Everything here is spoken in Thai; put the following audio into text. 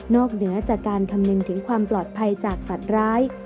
เหนือจากการคำนึงถึงความปลอดภัยจากสัตว์ร้าย